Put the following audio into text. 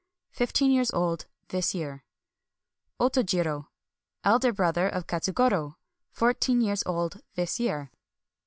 Fif teen years old this year. Otojiro. — Elder brother of Katsugoro. Fourteen years old this year.